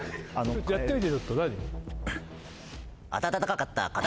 やってみて。